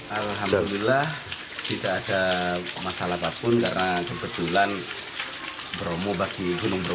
alhamdulillah tidak ada masalah apapun karena kebetulan bromo bagi gunung bromo